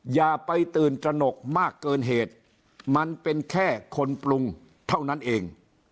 อย่าไปตื่นตระหนกมากเกินเหตุมันเป็นแค่คนปรุงเท่านั้นเอง